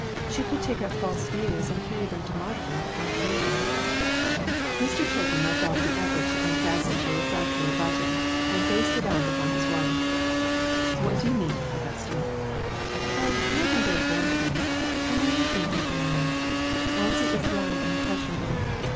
She could take up false views and carry them to martyrdom, on occasion." Mr. Chilton left off the effort to unfasten a READY TO MAKE SACRIFICES. 249 refractory button, and faced around upon his wife. " What do you mean, Augusta ?" "Oh, nothing very formidable. I'm merely thinking aloud. Elsie is young and impression able.